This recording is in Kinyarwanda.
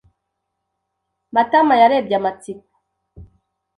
Matama yarebye amatsiko.